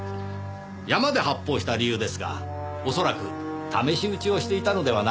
山で発砲した理由ですが恐らく試し撃ちをしていたのではないでしょうか。